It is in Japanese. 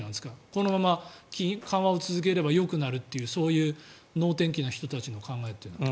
このまま緩和を続ければよくなるっていうそういう能天気な人たちの考えというのは。